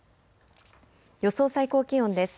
予想最高気温です。